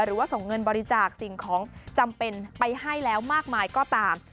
หรือว่าส่งเงินบริจาคสิ่งของจำเป็นไปให้แล้วมากมายก็ตาม